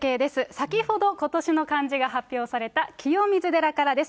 先ほど今年の漢字が発表された清水寺からです。